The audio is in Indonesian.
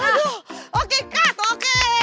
aduh okay cut udah selesai